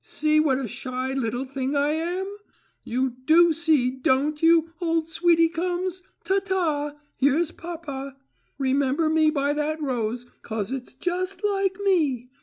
See what a shy little thing I am? You do see, don't you, old sweeticums? Ta, ta, here's papa. Remember me by that rose, 'cause it's just like me.